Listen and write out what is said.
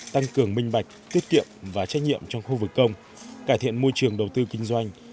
tăng cường minh bạch tiết kiệm và trách nhiệm trong khu vực công cải thiện môi trường đầu tư kinh doanh